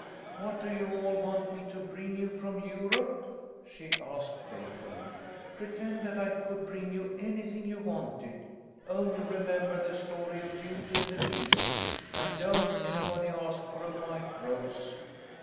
"What do you all want me to bring you from Europe ?" she asked, playfully. " Pretend that I could bring you anything you wanted. Only re member the story of Beauty and the Beast, and don't anybody ask for a white rose.